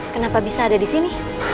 kenapa bisa ada disini